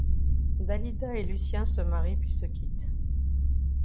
Dalida et Lucien se marient puis se quittent.